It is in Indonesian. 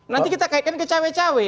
nanti kita kaitkan ke cawe cawe